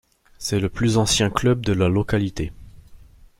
C’est le plus ancien club de la localité.